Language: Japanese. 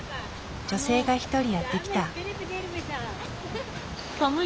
女性が一人やって来た。